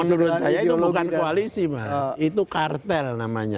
menurut saya itu bukan koalisi mas itu kartel namanya